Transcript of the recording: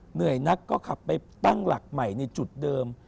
เหนื่อยนักก็ขับไปตั้งหลักใหม่ในจุดเดิม